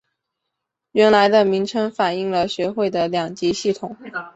原来的名称反应了学会的两级系统。